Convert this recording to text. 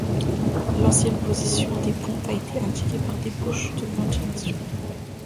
L'ancienne position des pompes a été indiquée par des bouches de ventilation.